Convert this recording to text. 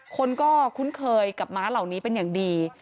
คนก็คุ้นเคยกับม้าเหล่านี้เป็นอย่างดี